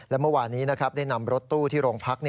และเมื่อวานี้ได้นำรถตู้ที่โรงพัก